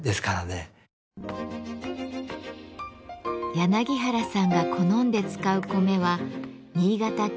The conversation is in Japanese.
柳原さんが好んで使う米は新潟県産コシヒカリ。